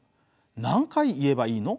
何回言えばいいの？